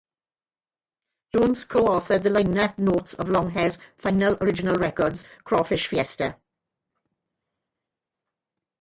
Jones co-authored the liner notes of Longhair's final original records, Crawfish Fiesta.